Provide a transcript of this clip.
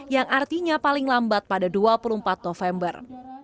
yang artinya paling lambat pada dua puluh empat november